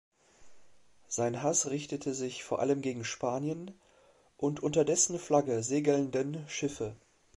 Sein Hass richtete sich vor allem gegen Spanien und unter dessen Flagge segelnden Schiffe.